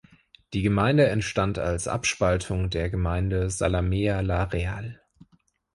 Die Gemeinde entstand als Abspaltung der Gemeinde Zalamea la Real.